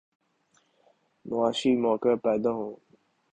معاشی مواقع پیدا ہوں۔